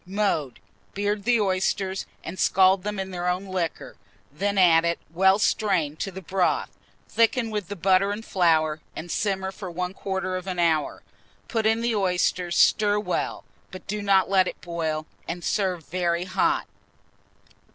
Mode. Beard the oysters, and scald them in their own liquor; then add it, well strained, to the broth; thicken with the butter and flour, and simmer for 1/4 of an hour. Put in the oysters, stir well, but do not let it boil, and serve very hot.